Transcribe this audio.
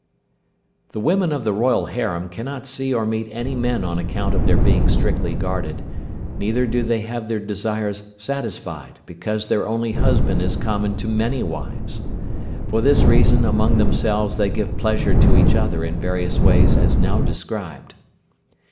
The women of the royal harem cannot see or meet any men on account of their being strictly guarded, neither do they have their desires satisfied, because their only husband is common to many wives. For this reason among themselves they give pleasure to each other in various ways as now described.